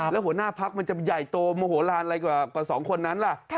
แล้วหัวหน้าพักมันจะใหญ่โตโมโหลานอะไรกว่า๒คนนั้นล่ะ